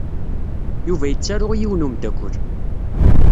Yuba yettaru i yiwen umeddakel.